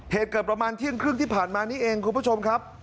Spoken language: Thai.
เหตุเกิดประมาณเที่ยงครึ่งที่ผ่านมานี้เองคุณผู้ชมครับ